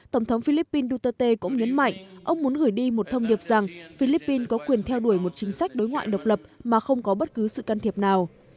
tổng thống philippines duterte cũng nhấn mạnh ông muốn gửi đi một thông điệp rằng philippines có quyền theo đuổi một chính sách đối ngoại độc lập mà không có bất cứ sự can thiệp nào